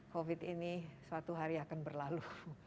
covid sembilan belas ini suatu hari akan berlalu